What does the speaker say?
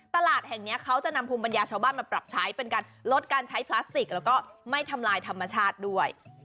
ตลาดแห่งนี้เขาจะนำภูมิปัญญาชาวบ้านมาปรับใช้เป็นการลดการใช้พลาสติกแล้วก็ไม่ทำลายธรรมชาติด้วย